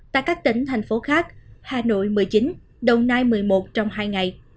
tại các tỉnh thành phố khác hà nội một mươi chín đồng nai một mươi một trong hai ngày